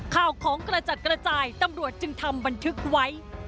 ข้าวของกระจัดกระจายตำรวจจึงทำบันทึกไว้